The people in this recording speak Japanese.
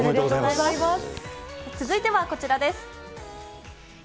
続いてはこちらです。